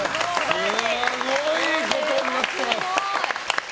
すごいことになってます。